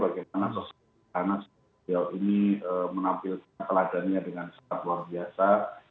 karena sosok sosok ini menampilkan peladannya dengan sangat luar biasa